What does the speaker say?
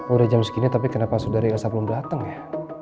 udah jam segini tapi kenapa sudah saya belum datang ya